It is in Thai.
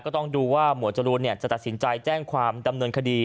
ต้องดูว่าหมวดจรูนจะตัดสินใจแจ้งความดำเนินคดี